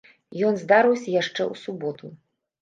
Ён здарыўся яшчэ ў суботу.